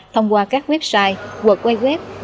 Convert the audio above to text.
thông qua các website web